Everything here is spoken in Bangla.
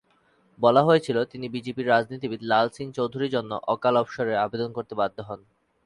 বলা হয়েছিল, তিনি বিজেপির রাজনীতিবিদ লাল সিং চৌধুরীর জন্য অকাল অবসরের আবেদন করতে বাধ্য হন।